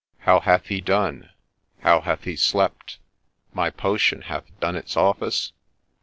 How hath he done ? How hath he slept ? My potion hath done its office